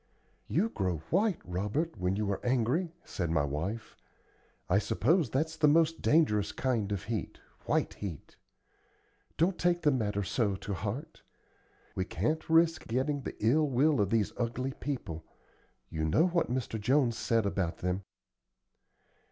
"You grow white, Robert, when you are angry," said my wife. "I suppose that's the most dangerous kind of heat white heat. Don't take the matter so to heart. We can't risk getting the ill will of these ugly people. You know what Mr. Jones said about them."